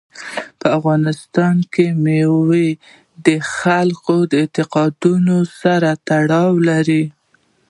په افغانستان کې مېوې د خلکو د اعتقاداتو سره تړاو لري.